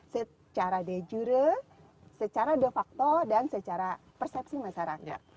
secara de jure secara de facto dan secara persepsi masyarakat